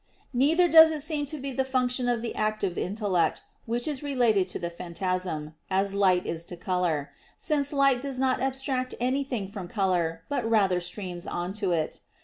Neither does it seem to be the function of the active intellect, which is related to the phantasm, as light is to color; since light does not abstract anything from color, but rather streams on to it.